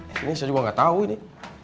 ini saya juga gak tau ini